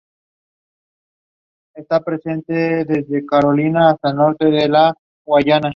Es nieta del patriarca antioqueño Gonzalo Mejía, pionero del cine.